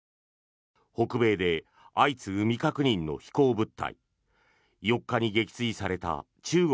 北米で相次ぐ未確認の飛行物体。